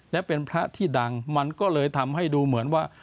และเป็นพระที่ดังมันก็เลยทำให้ดูเหมือนว่า